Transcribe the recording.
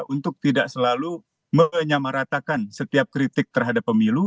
untuk tidak selalu menyamaratakan setiap kritik terhadap pemilu